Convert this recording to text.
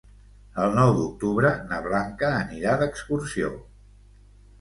El nou d'octubre na Blanca anirà d'excursió.